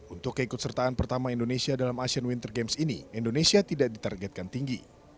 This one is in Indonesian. untuk keikut sertaan pertama indonesia dalam asian winter games ini indonesia tidak ditargetkan tinggi